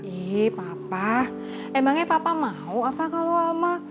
ih papa emangnya papa mau apa kalau mama